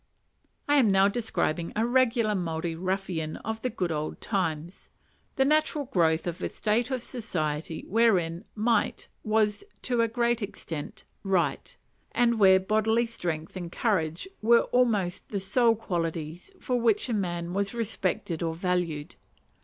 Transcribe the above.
I am now describing a regular Maori ruffian of the good old times; the natural growth of a state of society wherein might was to a very great extent right, and where bodily strength and courage were almost the sole qualities for which a man was respected or valued.